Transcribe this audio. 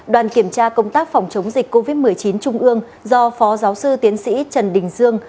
đoàn kiểm tra công tác phòng chống dịch covid một mươi chín trung ương do phó giáo sư tiến sĩ trần đình dương